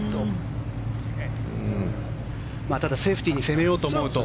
ただセーフティーに攻めようと思うと。